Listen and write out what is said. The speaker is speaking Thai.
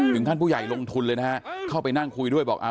ท่านผู้ใหญ่ลงทุนเลยนะฮะเข้าไปนั่งคุยด้วยบอก